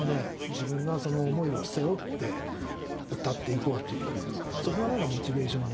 自分がその思いを背負って歌っていこうというそこが何かモチベーションになったりとか。